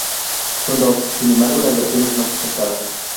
Son dos, sin embargo, las versiones más aceptadas.